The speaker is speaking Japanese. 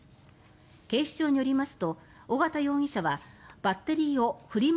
警視庁によりますと小形容疑者はバッテリーをフリマ